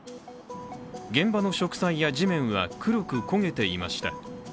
現場の植栽や地面は黒く焦げていました。